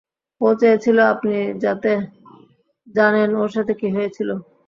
ও চেয়েছিল আপনি যাতে জানেন ওর সাথে কী হয়েছিল।